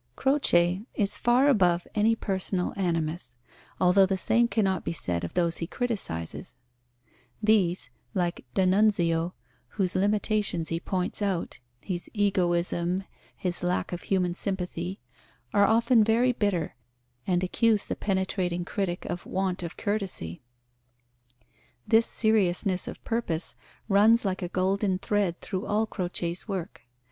Croce is far above any personal animus, although the same cannot be said of those he criticizes. These, like d'Annunzio, whose limitations he points out his egoism, his lack of human sympathy are often very bitter, and accuse the penetrating critic of want of courtesy. This seriousness of purpose runs like a golden thread through all Croce's work.